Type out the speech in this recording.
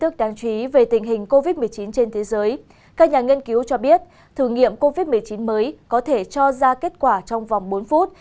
các nhà nghiên cứu cho biết thử nghiệm covid một mươi chín mới có thể cho ra kết quả trong vòng bốn phút